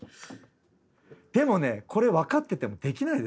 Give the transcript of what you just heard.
でもねこれ分かっててもできないです